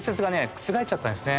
覆っちゃったんですね。